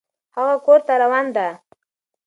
هغه کور ته روان ده